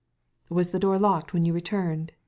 " Was the door locked when you returned ?